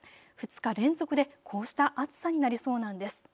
２日連続でこうした暑さになりそうなんです。